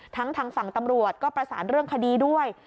ทางฝั่งตำรวจก็ประสานเรื่องคดีด้วย